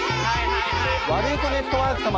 ワルイコネットワーク様。